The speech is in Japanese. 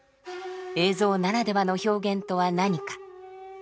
映像ならではの表現とは何か。